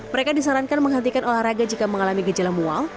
mereka disarankan menghentikan olahraga jika mengalami gejala mual